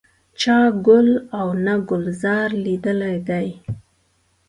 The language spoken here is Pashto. چا ګل او نه ګلزار لیدلی دی.